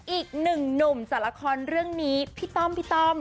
อีกหนึ่งหนุ่มจากละครเรื่องนี้พี่ต้อมพี่ต้อม